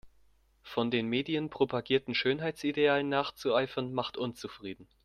Von den Medien propagierten Schönheitsidealen nachzueifern macht unzufrieden.